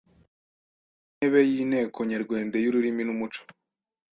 ntebe y’ Inteko Nyerwende y’Ururimi n’Umuco